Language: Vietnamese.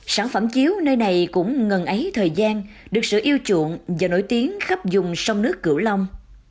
sản phẩm chiếu nơi này cũng ngần ấy thời gian được sự yêu chuộng và nổi tiếng khắp dùng sông nước cửu long